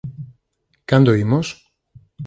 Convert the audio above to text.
¿Cando imos?